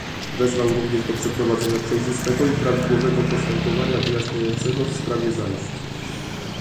Wezwał również do przeprowadzenia przejrzystego i prawidłowego postępowania wyjaśniającego w sprawie zajść